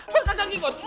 bos jangan ikut